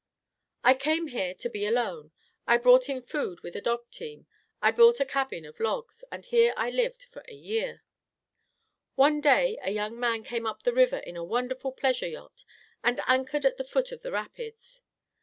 "I came here to be alone. I brought in food with a dog team. I built a cabin of logs, and here I lived for a year. "One day a young man came up the river in a wonderful pleasure yacht and anchored at the foot of the rapids.